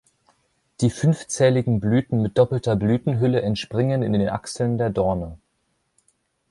Die fünfzähligen Blüten mit doppelter Blütenhülle entspringen in den Achseln der Dorne.